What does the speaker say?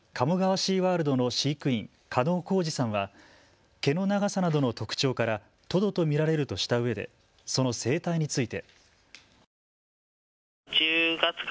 シーワールドの飼育員加納幸司さんは毛の長さなどの特徴からトドと見られるとしたうえでその生態について。